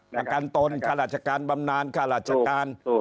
ประกันตนข้าราชการบำนานข้าราชการ